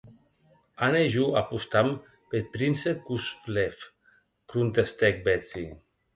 Anna e jo apostam peth prince Kuzovlev, contestèc Betsy.